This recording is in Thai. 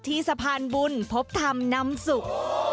ที่สะพานบุญพบธรรมน้ำสุก